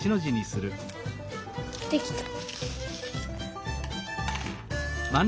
できた。